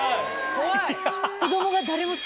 ・怖い！